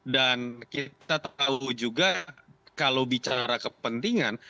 dan kita tahu juga kalau bicara kepentingan